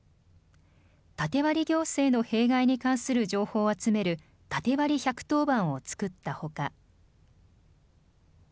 縦割り行政の弊害に関する情報を集める、縦割り１１０番を作ったほか。